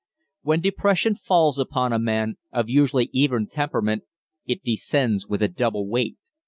When depression falls upon a man of usually even temperament it descends with a double weight.